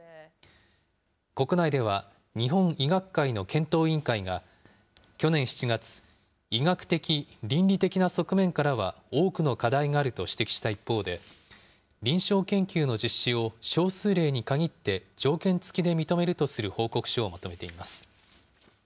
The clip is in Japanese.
国内では日本医学会の検討委員会が、去年７月、医学的、倫理的な側面からは多くの課題があると指摘した一方で、臨床研究の実施を少数例にかぎって条件付きで認めるとする報告書をまとめています。